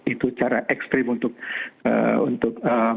itu cara ekstrim untuk